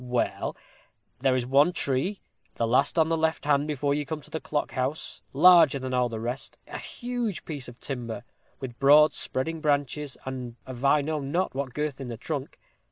Well, there is one tree the last on the left hand before you come to the clock house larger than all the rest a huge piece of timber, with broad spreading branches, and of I know not what girth in the trunk.